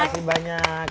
terima kasih banyak